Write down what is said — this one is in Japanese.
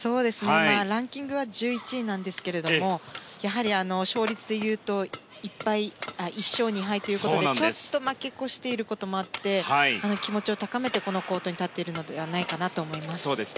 ランキングは１１位なんですがやはり、勝率でいうと１勝２敗ということでちょっと負け越していることもあって気持ちを高めてこのコートに立っているのではと思います。